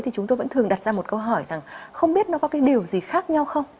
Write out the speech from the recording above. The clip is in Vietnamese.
thì chúng tôi vẫn thường đặt ra một câu hỏi rằng không biết nó có cái điều gì khác nhau không